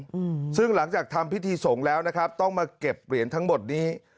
อืมซึ่งหลังจากทำพิธีสงฆ์แล้วนะครับต้องมาเก็บเหรียญทั้งหมดนี้